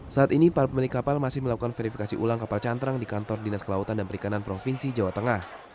saat ini para pemilik kapal masih melakukan verifikasi ulang kapal cantrang di kantor dinas kelautan dan perikanan provinsi jawa tengah